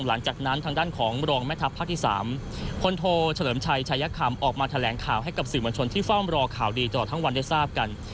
หลังจากนั้นทางด้านของรองแม่ทัพภาคที่๓พลโทเฉลิมชัยชายคำออกมาแถลงข่าวให้กับสื่อมวลชนที่เฝ้ารอข่าวดีตลอดทั้งวันได้ทราบกัน